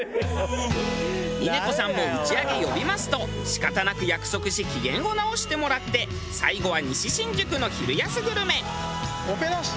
「峰子さんも打ち上げ呼びます」と仕方なく約束し機嫌を直してもらって最後は西新宿の昼安グルメ。